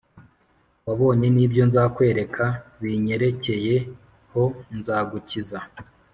Wabonye n ibyo nzakwereka binyerekeyeho nzagukiza